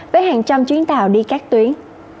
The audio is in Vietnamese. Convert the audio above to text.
với hàng trăm chuyến tàu đi các tuyến